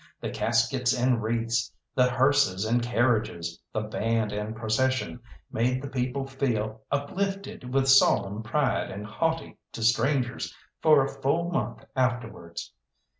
The caskets and wreaths, the hearses and carriages, the band and procession, made the people feel uplifted with solemn pride and haughty to strangers for a full month afterwards.